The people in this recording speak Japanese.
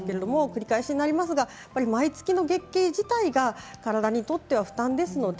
繰り返しになりますが毎月の月経自体が体にとっては負担です。